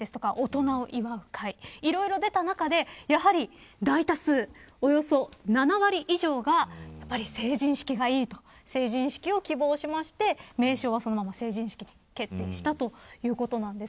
いろいろ出た中でやはり、大多数およそ７割以上が成人式がいいと成人式を希望しまして名称はそのまま成人式に決定したということなんです。